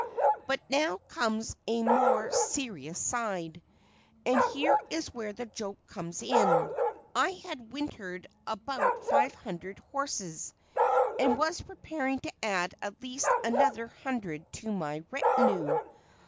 But now comes a more serious side, and here is where the joke comes in. I had wintered about five hundred horses, and was preparing to add at least another hundred to my retinue.